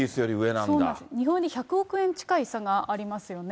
そうなんです、日本円で１００億円近い差がありますよね。